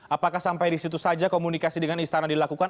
apakah sampai di situ saja komunikasi dengan istana dilakukan